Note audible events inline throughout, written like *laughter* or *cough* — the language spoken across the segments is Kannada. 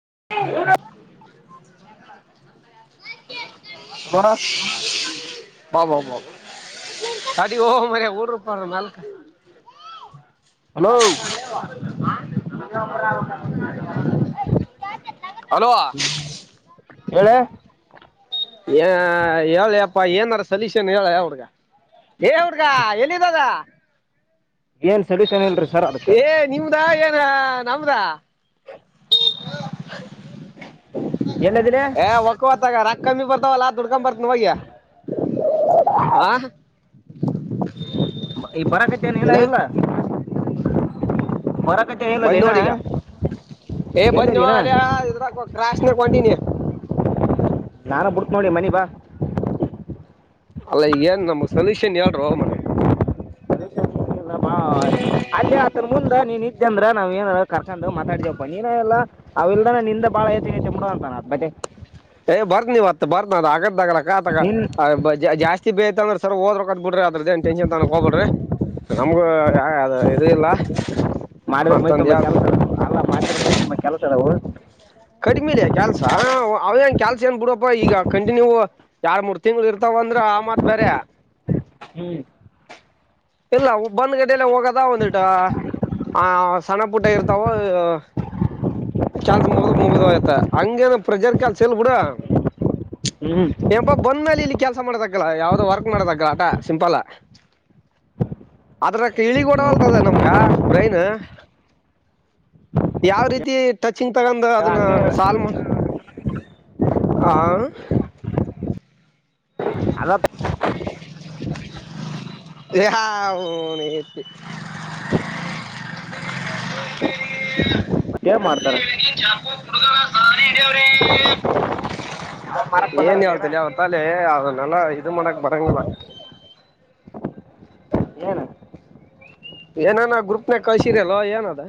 *inaudible* ಹಲೋ ಬಬ ಬ ಅಡಿ ಓ ಮ ಡ ಪಾರ ನಲ್ಕ ಹಲೋ ಬ ಹೇಳಳ ಏ ಹೇಳಪ್ಪಾ ಏನಾರ ಸಲ್ಯೂಷನ್ ಹೇಳ ಅವ್ರಗ ದೇವ್ರಿಗ ಎಲ್ಲಿಇರೋದು ಏನ್ ಸೊಲ್ಯೂಷನ್ ಇಲ್ರಿ ಸರ್ ಅದಕ್ಕೆ ಏ ನಿಮ್ದಾ ಎ ನಮ್ಮ ದ ನಮ್ದ ಎಲ್ಲದಿಲೆ ಏ ಒಕ್ಕವತ್ತಾಗ ರಾ ಕಮ್ಮಿ ಬರ್ತಾವಲ್ಲಾ ದುಡ್ಕೊ ಬರ್ತನಿ ಹೋಗಿ ಬರಕತಿ ಏನ ಇಲ್ಲ ಬರಕತ್ತೆ ಇಲ್ಲ ಬಂದ ಏನ ನೋಡಿ ಈಗ ಏ ಬನೋ ಎಲ್ಲದಿನ ಅ ಇದ್ರಾಬೇಕ ಕ್ರಾಸನಕ್ಕ ಓರ್ಟಿನಿ ನಾನ ಬಿಡ್ತ್ ನೋಡಿ ಮನಿ ಬಾ ಅಲ್ಲ ಏನ್ ನಮ್ಗ್ ಸೊಲ್ಯೂಷನ್ ಹೇಳ್ರ ಮರ್ರಿ ಬಾ ಅಲ್ಲಿ ಆತನ್ ಮುಂದ್ ನೀನ್ ಇದ್ದ ಅಂದ್ರ ನಾವ್ ಏನ ಕರ್ಕೊಂಡ ಮಾತಾಡಿದ್ವಪ್ಪ ನೀನ ಇಲ್ಲ ಅವ ಇಲ್ದಾನ ನಿಂದ ಬಾಳ ಹೆಚ್ಚೆ ಹೆಚ್ಚೆಡುವಂತಾನ ಅದ ಮತ್ತೆ ಏ ಬರ್ತ್ ನೀವ್ತ್ ಬರ್ತ್ ಅದ ಆಗದ ಆಗಲಕ್ಕತ ನಿನ್ ಜಾಸ್ತಿ ಬೇಯತ ಅಂದ್ರ ಸರಿ ಹೋಡ್ರೆಕೆಡ್ತು ಬಿಡ್ರಿ ಅದ್ರದಏನ್ ಟೆನ್ಷನ್ ತನ್ ಹೋಬ ಬಿಡ್ರಿ ನಮ್ಗು ಯ ಇದು ಇಲ್ಲ ಮಾಡಿದ್ರ ಮೈ ಅಂತಂದ್ ತುಂಬಾ ಯಾ ಕೆಲಸ ಅದ ಅಲ್ಲಾ ಮಾಡಿದ್ರ ಮೈ ತುಂಬಾ ಕೆಲಸ ಅದವು ಕಡಿಮಿಯದಾ ಕೆಲ್ಸ ಅವಂಗ ಕೆಲ್ಸ ಏನ್ ಬಿಡಪ್ಪ ಈಗ ಕಂಟಿನ್ಯೂ ಎರಡು ಮೂರ್ ತಿಂಗಳು ಇರ್ತಾವಂದ ಆ ಮತ್ ಬೇರೆ ಹ್ಮ್ ಇಲ್ಲ ಬಂದ್ ಗಡಲ್ಲ ಹೋಗದಾ ಒಂದಿಟ ಆ ಸಣ್ಣ ಪುಟ್ಟ ಇರ್ತಾವೋ ಕೆಲ್ಸ ಮುಗ್ದ ಮುಗದ ಆಯ್ತ ಹಂಗೇನ ರ್ಪ್ರೆಷರ್ ಕೆಲ್ಸ ಇಲ್ಲ ಬಿಡ ಹ್ಮ್ ಯಪ್ಪಾ ಬಂದ ಮೇಲೆ ಇಲ್ಲಿ ಕೆಲಸ ಕೆಸ ಮಾಡಬೇಕಲ್ಲ ಯಾವ್ದೋ ವರ್ಕ್ ಮಾಡಬೇಕಲ್ಲ ಆಟಾ ಸಿಂಪಲ್ ಅದ್ರಕ ಇಳಿ ಕೊಡವಲ್ತದ ನಮ್ಗ ಬ್ರೈನ್ ಯಾವ ರೀತಿ ಟಚಿಂಗ್ ತಗೊಂಡ ಅದನ್ನ ಹಂಗೆ ಸಾಲ್ವ್ ಹಾ ಅದ ಹಾ ಅವ್ನ್ *inaudible* *inaudible* ಏನ್ ಮಾಡ್ತಾರ ಯಾವ ಮಾರಕ್ *unintelligible* ಏನ್ ಬಂದಾರಲ್ಲ ಏನ ಐತಾಲೆ ಆವರ್ತಾಗ ಅದ್ನೇಲ್ಲಾ ಇದು ಮಾಡಕ್ ಬರಂಗಿಲ್ಲ. ಏನ ಏನೇನ ಗ್ರೂಪ್ನಾಗ ಕಳ್ಸಿದಿ ಅಲೋ ಏನ ಅದ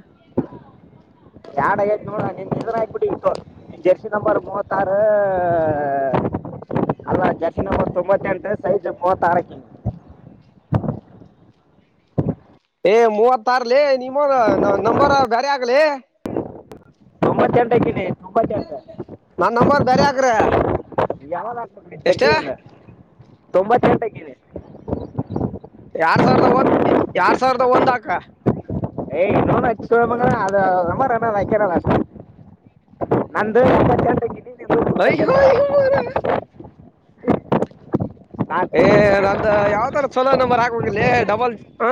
ಯಾಡ್ ಆಗೈತ ನೋಡ ನಿನ್ ಇದರ ಮ್ಯಾಗ್ ಹಾಕಿಬಿಟ್ಟೀನಿ ತಗೋ ನಿನ್ನ ಜರ್ಸಿ ನಂಬರ್ ಮೂವತ್ತಾರ ಅಲ್ಲ ಜರ್ಸಿ ನಂಬರ್ ತೊಂಬತ್ತ ಎಂಟ ಸೈಜ್ ಮೂವತ್ತಾರ ಹಾಕವ್ನೇ. ಏ ಮೊವತ್ತಾರ್ಲೆ ನಿಮ್ಮು ನ ನಂಬರ್ ಬ್ಯಾರೆ ಹಾಕ್ಲೆ. ತೊಂಬತ್ ಎಂಟ ಹಾಕೆನಿ. ನನ್ ನಂಬರ್ ಬ್ಯಾರೆ ಹಾಕ್ರೆ ಯಾವರೆ ಹಾಕ್ತಿರಿ ಜೆರ್ಸಿ ಇವಂದ ತೊಂಬತ್ ಎಂಟ ಹಾಕೇನಿ ಎರಡು ಸಾವಿರದ ಒಂದ್ ಎರಡು ಸಾವಿರದ ಒಂದ್ ಹಾಕ್. ಏ ನಿನೌನ್ ಹಚ್ಚ ಮಗ ಅದ ನಂಬರ್ ಏನ ಅನಾ ಐತೆ *unintelligible* ನಂದ ಇಪ್ಪತ್ತೆಂಟ ಹಾಕೆದಿ. ಅಯ್ಯೋ ಯೋ ಮರಾ ಏ ನಾನು ನಂದ ಯಾವತರ ಚಲೋ ನಂಬರ್ ಹಾಕೋಗಲೇ ಡಬಲ್ ಹ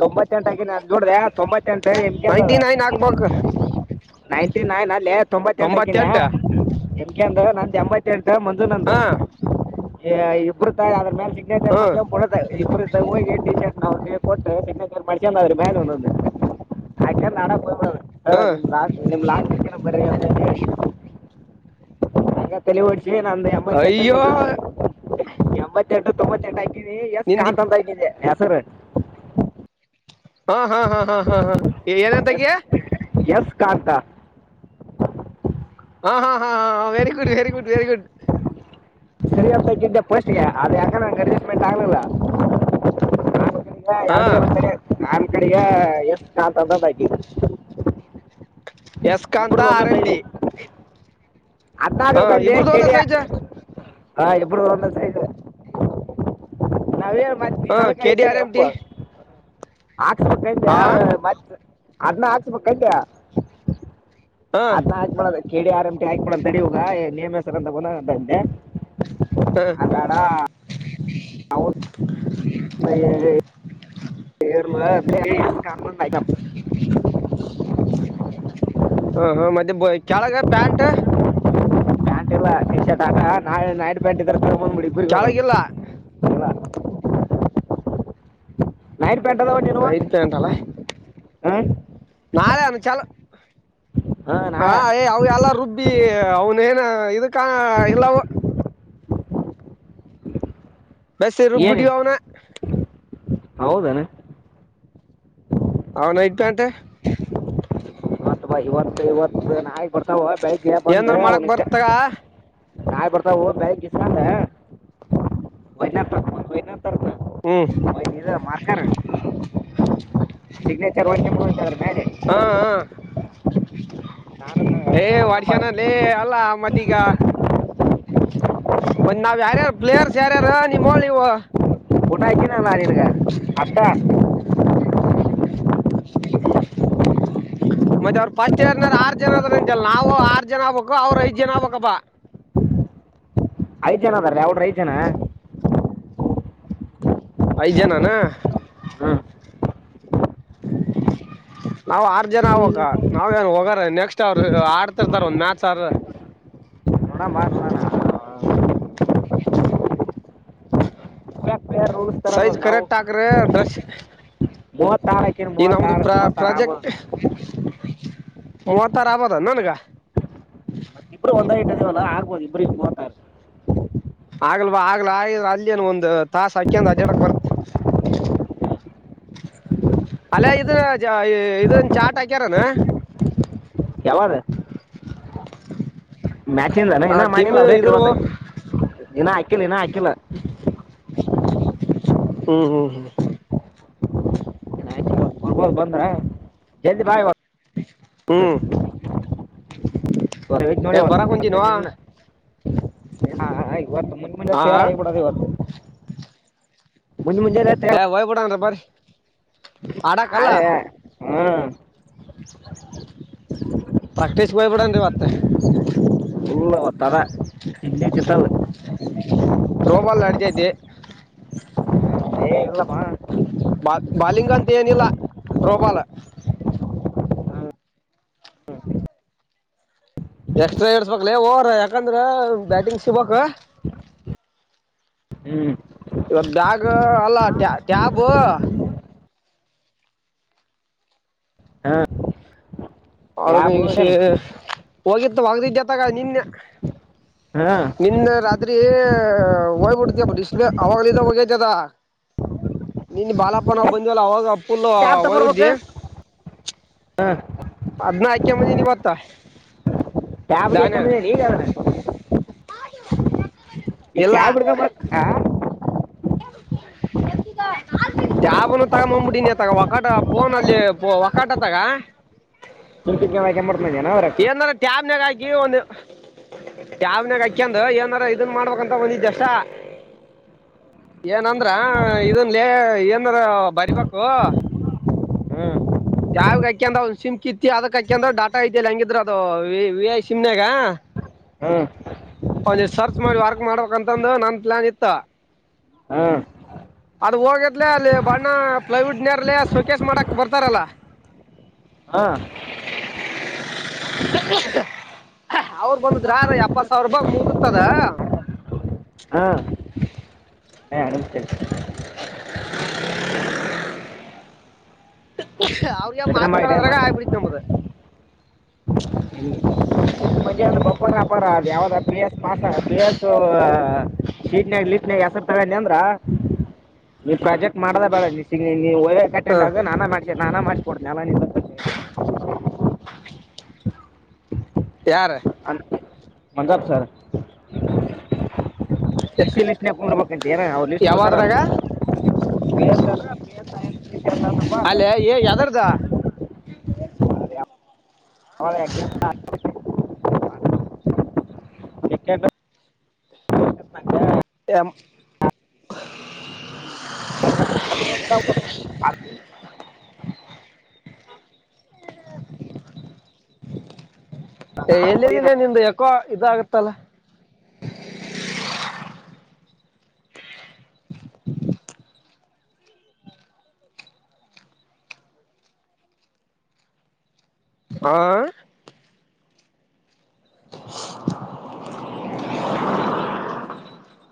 ತೊಂಬತ್ತೆಂಟ ಹಾಕೆನಿ ಅದ ನೋಡ್ರೆ ತೊಂಬತ್ತೆಂಟ ಎಂಟನೆಯದು ನೈಂಟಿ ಅದ. ನೈನ್ ಹಾಕ್ಬೇಕ್ ನೈನ್ಟಿ ನೈನ್ ಅಲ್ಲೇ ತೊಂಬತ್ತೆಂಟ ಹಾಕೆನ್ಯಾ ನಿಂಕೆಯಂದು ನಂದ ಎಂಬತ್ ಮಂಜು ನಂದ ಹಾ ಏ ಇಬ್ರು ತಾ ಅದರ ಮ್ಯಾಲ್ ಹಾ *unintelligible* ಇಬ್ರೂ ದ ಹೋಗಿ *unintelligible* *unintelligible* ಅದರ ಮ್ಯಾಗ್ ಒಂದೊಂದು ಹಾಕೊಂದ ಹಾಡಕ ಹೋಗ್ ಹ ಹಾ ನಿಮ್ ಲಾಸ್ಟ್ ನಿಮ್ ಲಾಸ್ಟಕನ್ ಬರ್ರಿ ಅಂತ ಹೇಳಿ *unintelligible* ಹಂಗ ತೇಲಿ ಓಡ್ಸಿ ನಂದ ಎಂಬತ್ತೆಂಟಕ ಅಯ್ಯೋ ನಿಂತತ ಎಂಬತ್ತೆಂಟ. ತೊಂಬತ್ತೆಂಟ ಹಾಕಿನೀ ಸ್ ನಿಂದಿ ಕಾಂತ ಅಂತ ಹಾಕಿದಿ ಹೆಸರ. ಹಾ ಹಾ ಹಾ ಹಾ ಹಾ ಹಾ ಏನಂತ ಹಾಕಿ. ಎಸ್ ಎಸ್ ಕಾಂತಾ. ಹಾ ಹಾ ಹಾ ಹಾ very good very good very good. ಅದ ಯಾಕೋ ನಂಗ ಅಡ್ಜಸ್ಟ್ಮೆಂಟ್ ಆಗ್ಲಿಲ್ಲ. ಹಾ *unintelligible* ನಾ ತಂದದ ಹಾಕಿನೀ. ಸ್ ಕಾಂತಾ ಆರ್ ಎಮ್ ಡಿ. ಅದ್ನ ಹ ಹಾಕ್ಬೇಕ್ಲೆ ಇಬ್ರದು ಒಂದ ಕೆಡಿಯ. ಸೈಜ ಹಾ ಇಬ್ರುದು ಒಂದ ಸೈಜ್ ನಾವೇನ್ ಮತ್ ಹಾ ನೀನ್ ಕೆಡಿ ಆರ್ ಎಂ ಡಿ. ಹಾಕ್ಸ್ಬೇಕಂತ ಮತ್ತ ಅದ್ನ ಹಾಕ್ಸ್ಬೇಕಂದೇ. ಹ ಅದ್ನ ಹಾಕಬ್ಯಾಡ ಅದ ಕೆಡಿ ಆರ್ ಎಂ ಡಿ ಹಾಕಿಬಿಡ ತಡಿವುಗಾ ನಿಯಮ ಹೆಸರ ಅಂತ ಗುಣ ಅಂತಂದೆ. ಹ ಅದ ಬ್ಯಾಡಾ. ಕೇರ್ಮ ಕೇ *unintelligible* ಹ ಹ್ ಮತ್ತ ಕೆಳಗ ಪ್ಯಾಂಟ್. ಪ್ಯಾಂಟ್ ಇಲ್ಲ ಟಿ ಶರ್ಟ್ ಹಾಕಾ ನಾಳಿ ನೈಟ್ ಪ್ಯಾಂಟ್ ಇದ್ರ ಬರುಮುಂದ ಬಿಡಿ ಇಬ್ರಿಗೂ. ಕೆಳಗಿಲ್ಲ ನೈಟ್ ಪ್ಯಾಂಟ್ ನೈಟ್ ಪ್ಯಾಂಟ್ ಅಲ್ಲಾ. ಹ ನಾಳೆ ಅ ಚಲ ಹಾ ಹ ನಾಳೆ ಏ ಅವ ಎಲ್ಲ ರುಬ್ಬಿ ಅವನೇ *unintelligible* ನ ಇದಕ್ ಇಲ್ಲ ಅಂವ. ಬಸ್ಸೇ ರುಬ್ಬಿಬಿಡಿ ಅವನಾ. ಹೌದೇನ. ಅವ ನೈಟ್ ಪ್ಯಾಂಟ. ಮತ್ವಾ ಇವತ್ತು ಇವತ್ತು ನಾಯ ಬರ್ತಾವ ಬೆಳಿಗ್ಗೆ ಬಂದ ಏನಾರ ಮಾಡಕ್ ಅವನ ಬರ್ತಾಗ *unintelligible* ನಾಯ್ ಬರ್ತಾವ ಹ ಹ್ಮ್ *unintelligible* ಇ ಮಾರ್ಕರ್ ಸಿಗ್ನೇಚರ್ *unintelligible* ಹಾ ಹಾ. ನಾನು ಏ ನಂಬರ್ ಹೊಡಿಸಿಕೊಂಡಲೇ ಅಲ್ಲಾ ಮತಿಗ. ಮತ್ತ ನಾವ್ ಯಾರ್ಯಾರು ಪ್ಲೇಯರ್ಸ್ ಯಾರ್ಯಾರ ನಿಮ್ಮೊಳ್ ನೀವು. ಫೋಟೋ ಆಕೀನಲ್ಲ ನಿನಗ ಅಷ್ಟೆ. ಮತ್ತೆ ಅವ್ರರು ಫಸ್ಟ್ ಏರ್ನಾರ ಆರ್ ಜನ ಅದ ಅಂತೆಲ್ಲ ನಾವು ಆರ್ ಜನ ಆಗ್ಬೇಕು ಅವ್ರ ಐದ್ ಜನ ಆಗ್ಬೇಕಪ್ಪ. *inaudible* ಐದ್ ಜನ ಅದಾರ ಹುಡುಗುರ್ ಐದ ಜನ. ಐದ್ ಜನಾನ. ಹ್ಮ್ *inaudible* ನಾವ್ ಆರ್ ಜನ ಆಗ್ಬೇಕ ನಾವ್ ಏನ್ ಹೋಗ್ರ ನೆಕ್ಸ್ಟ್ ಅವರು ಆಡ್ತಿರ್ತಾರ ಒಂದ್ ಮ್ಯಾಚ್ ಆದ್ರ. *inaudible* ನೋಡ ಮಾಡ್ ನಡ ಹ *unintelligible* ಪ್ಲೇಯರ್ ರೂಲ್ಸ್ ತರ ಸೈಜ್ ನಾವು ಕರೆಕ್ಟ್ ಹಾಕ್ರೆ ಡ್ರೆಸ್. ಮೂವತ್ತಾರು ಹಾಕಿನ ಈ ನಮ್ದು ಮೂವತ್ತಾರು ಪ್ರಾ ಮೂವತ್ತಾರು ಆಗ್ಬೋದು ಪ್ರಾಜೆಕ್ಟ್. ಮುವತ್ತಾರ ಆಗ್ಬೋದ ನಿನಗ. ಇಬ್ಬರೂ ಒಂದಾ ಹೈಟ್ ಇದಿವಲ್ಲ ಆಗ್ಬೋದು *unintelligible* ಆಗ್ಲ್ ಬಾ ಆಗ್ಲ ಆಯ ಅಲ್ಲಿನು ಒಂದ್ ತಾಸ ಹಾಕ್ಕಂಡ್ ಅಡ್ಡಾಡಕ್ ಬರ್ತೇ. *inaudible* ಅಲ್ಲೇ ಇದ ಇದನ್ ಚಾಟ್ ಹಾಕ್ಯಾರೆನ. ಯಾವದ. ಮ್ಯಾಚನ್ನ ಇನ್ನ ಟಿಮ್ ಮಾಡಿಲ್ಲ ಅವ್ರೇ ಇದ್ರ ತಿರ್ವತ ಇನ ಹಾಕಿಲ್ಲ ಇನ್ನ ಹಾಕಿಲ್ಲ. ಹ್ಮ್ ಹ್ಮ್ ಹ್ಮ್ ಹೊರ್ಬೋದು ಬಂದ್ನಾ ಜಲ್ದಿ ಬಾ ಇವ ಹ್ಮ್ *unintelligible* *unintelligible* ಏ ಬರಕ್ ಕುಂತೀನೋ ಹಾ ಆಗಬಿಡೋದು ಇವತ್ತು. ಮುಂಜ್ ಮುಂಜಾನೆ ತಯ್ ಏ ಹೋಯ್ ಬಿಡನ್ರಿ ಬರ್ರಿ ಆಡಕಲ್ಲ ಹಾಂ ಪ್ರಾಕ್ಟೀಸ್ ಹೊಯ್ಬಿಡಣ್ ರೀ ಮತ್ತೆ ಹೂಂ *unintelligible* ತ್ರೋಬಾಲ್ ಆಡ್ತಾಯಿದ್ದಿ ಹೇ ಇಲ್ಲಮ ಬಾ ಬಾಲಿಂಗ್ ಅಂತೇನಿಲ್ಲ ತ್ರೋಬಾಲ. Extra ಇಡ್ಸ್ ಬೇಕ್ಲೇ over ಯಾಕಂದ್ರಾ batting ಸಿಬೇಕ. ಹ್ಮ್ ಇವಾಗ್ ಬ್ಯಾಟ್ರು ಅಲ್ಲ ಟಾ ಟ್ಯಾಬು ಆ ಅವನಿಗ್ ಶೇ ಹೋಗಿತ್ತು ಹೊಗ್ದಿದ್ದತ್ತಾಗ ನಿನ್ನೆ. ಹಾ ನಿನ್ನೆ ರಾತ್ರಿ ಹೋಯ್ಗ್ ಬಿಟ್ದೆ ಡಿಸ್ಪ್ಲೇ ಅವಾಗ್ಲಿದ ಹೋಗಯ್ತದ. ನಿನ್ ಬಾಲಪ್ಪ ನಾವ್ ಬಂ ದ್ವಲ್ಲ ಅವಾಗ ಫುಲ್ಲು ಟ್ಯಾಬ್ ತಗೊಂಬರ್ಬೇಕು ಹೋಯ್ಬಿಟ್ದೆ. ಅದ್ನ ಹಾಯ್ಕೊಂ ಬಂದೀನ್ ಈವತ್ತಾ. ಟ್ಯಾಬ್ಗ್ ಹಾಯ್ಕೊಂ ಬಂದಿದೀನ್ ಈಗವನ ಈ ಇಲ್ಲ ಟ್ಯಾಬ್ ಹಿಡ್ಕಬಂದ್ ಆ *inaudible* ಟ್ಯಾಬುನು ತಗೊಂಬಬಿಟೀನಿ ಅತಾಗ ಒಕಾಟ ಫೋನಲ್ಲಿ ಒಕಾಟತಾಗ ಚುಂಟಿ ನಕ ಮಾಡ್ತ ಇದೀನ ಅವರಕ ಕೀ ಓನು ಟ್ಯಾಬ್ನಾಗ್ ಹಾಕ್ಯೊಂಡು ಏನಾರ ಇದನ್ ಮಾಡ್ಬೇಕಂತ ಬಂದಿದೆ ಅಷ್ಟ ಏನಂದ್ರ ಇದನ್ಲೇ ಏನರ ಬರಿಬೇಕು ಹ್ಮ್ ಯಾವ್ಗ್ ಹಾಕ್ಯೊಂಡು ಅವ್ ಸಿಮ್ ಕಿತ್ತಿ ಯಾವ್ದುಕ್ ಹಾಕ್ಯೊಂಡ್ರು ಡಾಟಾ ಇದ್ಯಲ್ಲ ಹೆಂಗಿದ್ರು ಅದು ವಿ ಐ ಸಿಮ್ನಾಗ ಹ್ಮ್ ಒಂದಿಷ್ಟ್ ಸರ್ಚ್ ಮಾಡಿ ವರ್ಕ್ ಮಾಡ್ಬೇಕ್ ಅಂತಂದು ನನ್ ಪ್ಲಾನ್ ಇತ್ತ ಹ್ಮ್ ಅದ ಹೋಗದ್ಲ ಅಲ್ಲಿ ಬಣ್ಣ ಪ್ಲೈವುಡ್ನೇರ್ಲೆ ಸೊಕೇಸ್ ಮಾಡಕ್ ಬರ್ತಾರಲ್ಲ ಹಾ *inaudible* ಅವ್ರರು ಬಂದಿದ್ರ ಅದೆ ಎಪ್ಪತ್ ಸಾವ್ರ್ ರೂಪಾಯ್ಗ್ ಮುಗ್ದಿರ್ತದ ಹಾಂ *inaudible* ಅವ್ರ್ ಗೆ ಮಾತ್ ಕೇಳೋದ್ರಾಗೆ ಇಟ್ಕೊಂಬ ಆಗ್ಬಿಡ್ತ್ ನಮ್ಮದ. *inaudible* ಪೂರ ಪೂರ ಅದು ಯಾವ್ದ ಪಿ ಎಸ್ ಪಾಸ ಪಿ ಎಸ್ಸೂ ಶೀಟ್ನ್ಯಾಗ್ ಲಿಸ್ಟ್ ನ್ಯಾಗ ಹೆಸರ್ ತಳನಿ ಅಂದ್ರ ನೀ ಪ್ರಾಜೆಕ್ಟ್ ಮಾಡದೇ ಬೇಡ ನೀ ಸಿ ನೀ ಓರಿಯೆಂಟ್ಗ್ ಹ ಅಟೆಂಡ್ ಆಗು ನಾನ ಮಾಡ್ಸ ನಾನ ಮಾಡ್ಸ್ ಕೊಡ್ತೀನ್ ಆಮೇಲ್ ನಿಂದ *inaudible* ಯಾರ? ಮಂಜಾಬ್ ಸರ ಸ್ಪಿಷಲ್ ಲಿಸ್ಟ್ ನಾಕೊಡ್ಬೇಕಂತೆ ಏನ ಅವ್ರ್ ಲಿಸ್ಟ್ ಕೊಡ್ತಾರಲ್ ಯಾವದ್ರಾಗ ಅಂತ ಅಂದ್ರಪ್ಪ ಅಲ್ಲೇ ಅದು ಏ ಯಾದರ್ದ? *unintelligible* ಯಾಕ್ಕೆಂದು *unintelligible* ಎಂ ಇದಾವ್ ಅದು *inaudible* ನಾನು ಕೊಡಿನ ಎಲ್ಲಿದ್ದಿಲ್ಲ ನಿಮ್ದು ಯಾಕೋ ಇದದು ಆಗತ್ತಲ್ಲ ಹಾ *inaudible*